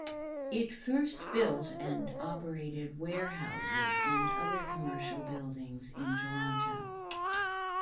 It first built and operated warehouses and other commercial buildings in Toronto.